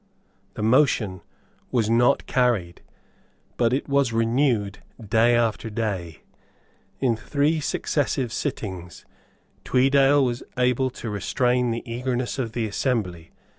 The motion was not carried; but it was renewed day after day. In three successive sittings Tweedale was able to restrain the eagerness of the assembly.